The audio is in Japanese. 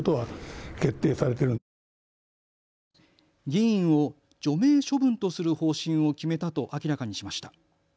議員を除名処分とする方針を決めたと明らかにしました。